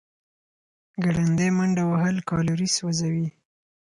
ګړندۍ منډه وهل کالوري سوځوي.